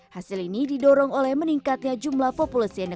hasil ini didorong oleh meningkatnya jumlah populasi anak muda